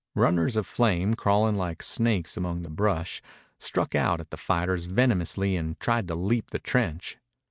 Runners of flame, crawling like snakes among the brush, struck out at the fighters venomously and tried to leap the trench.